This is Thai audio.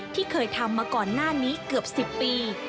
ที่เคยทำมาก่อนหน้านี้เกือบ๑๐ปี